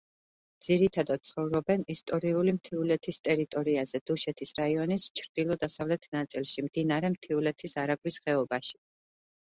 ძირითადად ცხოვრობენ ისტორიული მთიულეთის ტერიტორიაზე, დუშეთის რაიონის ჩრდილო-დასავლეთ ნაწილში, მდინარე მთიულეთის არაგვის ხეობაში.